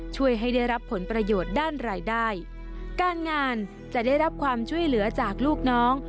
ช่วยให้ได้รับผลประโยชน์ด้านรายได้การงานจะได้รับความช่วยเหลือจากลูกน้อง